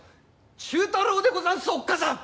忠太郎でござんすおっかさん！